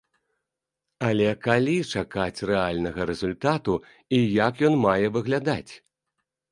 Але калі чакаць рэальнага рэзультату і як ён мае выглядаць?